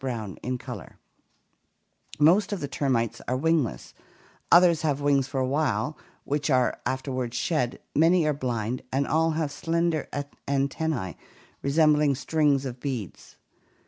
COMMUNALISM 253 Most of the termites are wingless, others have wings for a while which are afterward shed, many are blind, and all have slender antennae resembling strings of beads.